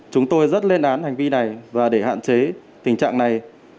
chúng tôi rất lên án hành vi này và để hạn chế tình trạng này